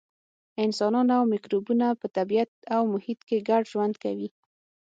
انسانان او مکروبونه په طبیعت او محیط کې ګډ ژوند کوي.